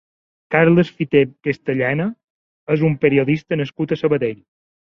Carles Fité Castellana és un periodista nascut a Sabadell.